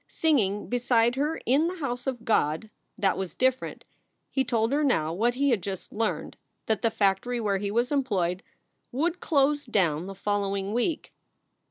Singing beside her in the house of God that was different. He told her now what he had just learned, that the factory where he was em ployed would close down the following week.